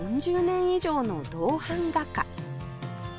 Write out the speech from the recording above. ４０年以上の銅版画家